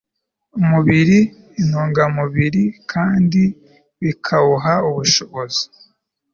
umubiri intungamubiri kandi bikawuha ubushobozi